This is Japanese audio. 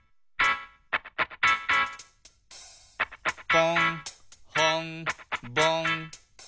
「ぽんほんぼん」